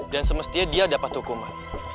dan semestinya dia dapat hukuman